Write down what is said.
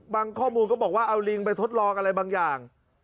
ข้อมูลก็บอกว่าเอาลิงไปทดลองอะไรบางอย่าง